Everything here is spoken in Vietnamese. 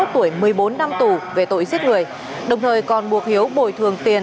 hai mươi tuổi một mươi bốn năm tù về tội giết người đồng thời còn buộc hiếu bồi thường tiền